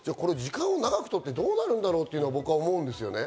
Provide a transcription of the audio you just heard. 時間を長くとってどうなるんだろうと僕は思うんですね。